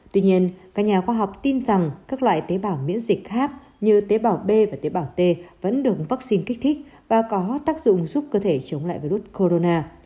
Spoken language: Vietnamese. tuy nhiên các nhà khoa học tin rằng các loại tế bào miễn dịch khác như tế bào b và tế bào t vẫn được vaccine kích thích và có tác dụng giúp cơ thể chống lại virus corona